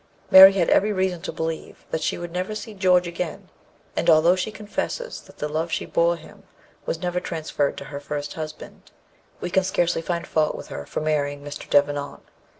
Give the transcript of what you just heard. Mary had every reason to believe that she would never see George again; and although she confesses that the love she bore him was never transferred to her first husband, we can scarcely find fault with her for marrying Mr. Devenant.